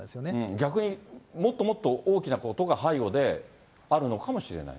逆に、もっともっと大きなことが背後であるのかもしれないと。